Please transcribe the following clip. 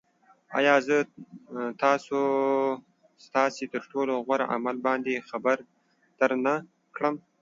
آیا زه تاسو ستاسې تر ټولو غوره عمل باندې خبر درنه نه کړم